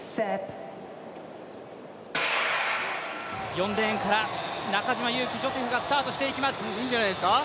４レーンから中島佑気ジョセフがスタートしていきます。